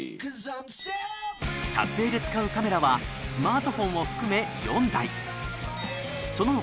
撮影で使うカメラはスマートフォンを含め４台その他